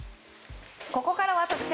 ここからは特選！